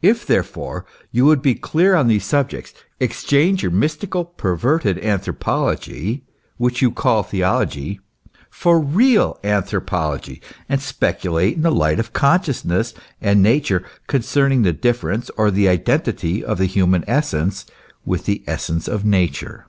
If, therefore, you would be clear on these subjects, exchange your mystical, perverted anthropology, which you call theology, for real anthropology, and speculate in the light of consciousness and Nature concerning the difference or identity of the human essence with the essence of Nature.